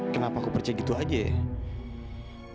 kenapa aku percaya gitu aja ya